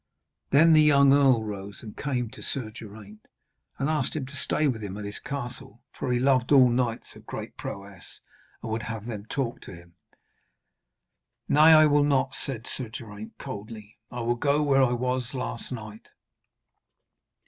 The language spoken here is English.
Then the young earl rose and came to Sir Geraint, and asked him to stay with him at his castle, for he loved all knights of great prowess and would have them to talk to him. 'Nay, I will not,' said Sir Geraint coldly; 'I will go where I was last night.'